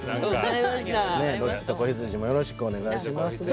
「ロッチと子羊」もよろしくお願いします。